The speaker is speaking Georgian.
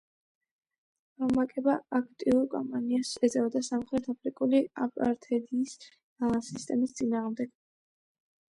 მაკება აქტიურ კამპანიას ეწეოდა სამხრეთ აფრიკული აპართეიდის სისტემის წინააღმდეგ.